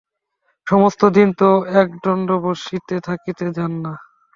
সমস্ত দিন তো এক দণ্ড বসিয়া থাকিতে জান না।